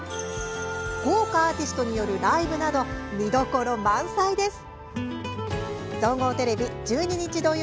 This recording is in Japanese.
豪華アーティストによるライブなど、見どころ満載です。